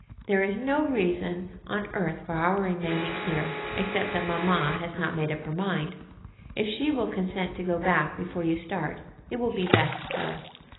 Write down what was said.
There is no reason on earth for our remaining here, except that mamma has not made up her mind. If she will consent to go back before you start, it will be best so.